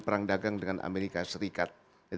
perang dagang dengan amerika serikat